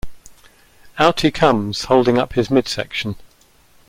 Out he comes, holding up his midsection.